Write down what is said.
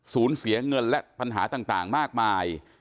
เสียเงินและปัญหาต่างมากมาย